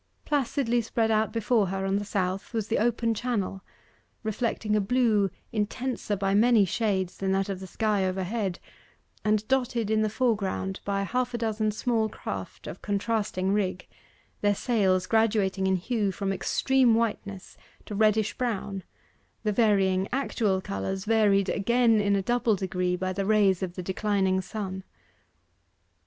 Placidly spread out before her on the south was the open Channel, reflecting a blue intenser by many shades than that of the sky overhead, and dotted in the foreground by half a dozen small craft of contrasting rig, their sails graduating in hue from extreme whiteness to reddish brown, the varying actual colours varied again in a double degree by the rays of the declining sun.